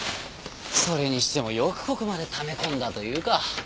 それにしてもよくここまでため込んだというか。